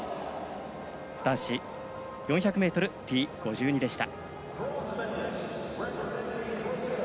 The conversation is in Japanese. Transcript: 男子４００ｍＴ５２でした。